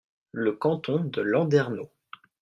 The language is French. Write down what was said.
Le canton de Landerneau.